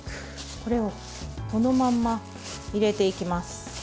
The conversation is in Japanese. これをこのまま入れていきます。